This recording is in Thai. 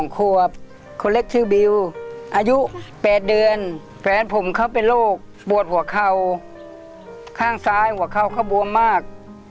ขวบคนเล็กชื่อบิวอายุ๘เดือนแฟนผมเขาเป็นโรคปวดหัวเข่าข้างซ้ายหัวเข่าเขาบวมมาก